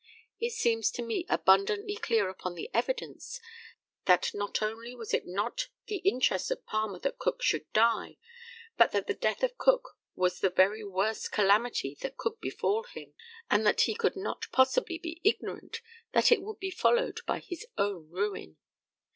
It seems to me abundantly clear upon the evidence that not only was it not the interest of Palmer that Cook should die, but that the death of Cook was the very worst calamity that could befall him, and that he could not possibly be ignorant that it would be followed by his own ruin.